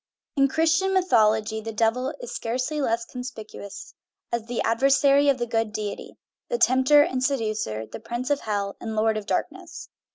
In Christian mythology the Devil is scarcely less conspicuous as the adversary of the good deity, the tempter and seducer, the prince of hell, and lord of darkness.